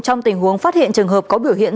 trong tình huống phát hiện trường hợp có biểu hiện